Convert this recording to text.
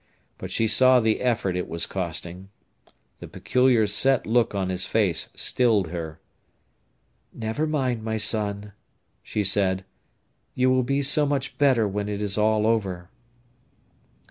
But she saw the effort it was costing. The peculiar set look on his face stilled her. "Never mind, my son," she said. "You will be so much better when it is all over."